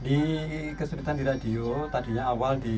ini kesulitan di radio tadinya awal di dua ribu empat belas